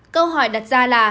câu hỏi đặt ra là